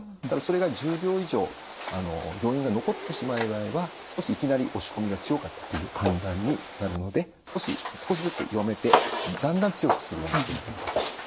ただそれが１０秒以上余韻が残ってしまう場合は少しいきなり押し込みが強かったという判断になるので少し少しずつ弱めてだんだん強くするようにしてみてください。